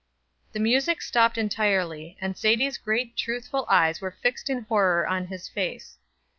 The music stopped entirely, and Sadie's great truthful eyes were fixed in horror on his face.